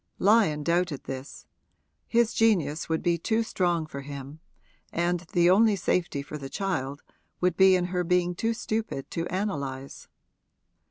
Lyon doubted this: his genius would be too strong for him, and the only safety for the child would be in her being too stupid to analyse.